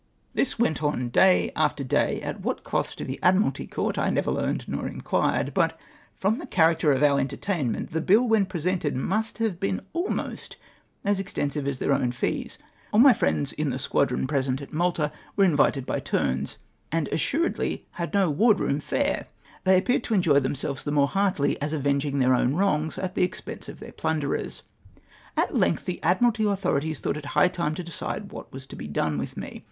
This went on day after day, at what cost to the Admiralty Court I never learned nor inquked ; but, from the character of our entertainment, the bill when pre sented must have been almost as extensive as their own fees. All my fiiends in the squadron present at Malta were invited by turns, and assuredly had no A MOCK TRIAL. 175 ward room fare. They appeared to enjoy themselves the more heartily, as avenging theii" own wrongs at the expense of their plunderers. At length the Adnimilty authorities thought it high time to decide what was to be done with me.